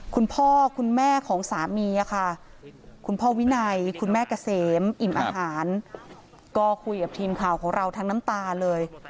คุณพ่อคุณแม่ของสามีค่ะคุณพ่อวินัยคุณแม่เกษมอิ่มอาหารก็คุยกับทีมข่าวของเราทั้งน้ำตาเลย